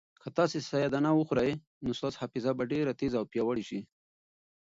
که تاسي سیاه دانه وخورئ نو ستاسو حافظه به ډېره تېزه او پیاوړې شي.